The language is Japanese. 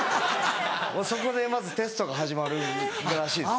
そこでまずテストが始まるらしいです。